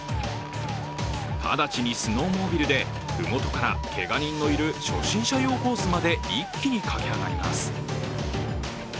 直ちにスノーモービルでふもとから、けが人のいる初心者用コースまで一気に駆け上がります。